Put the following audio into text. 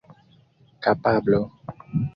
kapablo